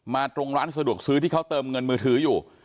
ตรงร้านสะดวกซื้อที่เขาเติมเงินมือถืออยู่